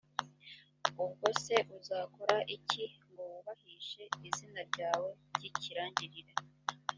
ubwo se uzakora iki ngo wubahishe izina ryawe ry’ikirangirire?